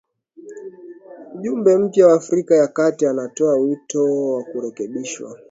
Mjumbe mpya wa Afrika ya Kati anatoa wito wa kurekebishwa